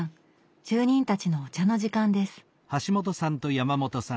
住人たちのお茶の時間です。